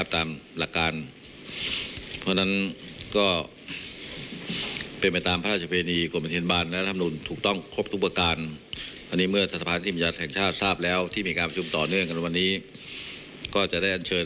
ทรงขึ้นเป็นพระมหากษัตริย์รัชกาลที่๑๐ต่อไป